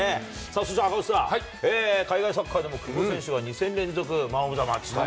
それじゃあ赤星さん、海外サッカーでも、久保選手が２戦連続マンオブザマッチと。